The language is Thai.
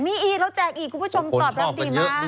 มีอีกเราแจกอีกคุณผู้ชมตอบรับดีมากเพราะคนชอบกันเยอะนึงเนี่ย